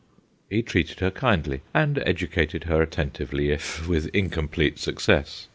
' He treated her kindly and educated her attentively, if with incomplete success.